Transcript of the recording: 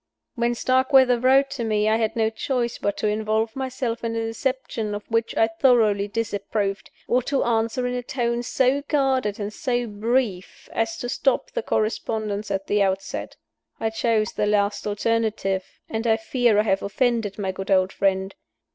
When Starkweather wrote to me, I had no choice but to involve myself in a deception of which I thoroughly disapproved, or to answer in a tone so guarded and so brief as to stop the correspondence at the outset. I chose the last alternative; and I fear I have offended my good old friend.